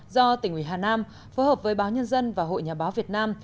do tỉnh ủy hà nam phối hợp với báo nhân dân và hội nhà báo việt nam